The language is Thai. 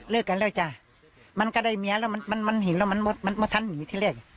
เลิกกันแล้วจ้ามันก็ได้เมียแล้วมันมันมันเห็นแล้วมันมันมันมันทันหนีที่เรียก